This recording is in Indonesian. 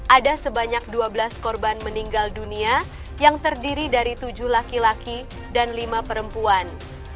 ada sebanyak dua belas korban meninggal dunia yang terdiri dari tujuh laki laki dan lima perempuan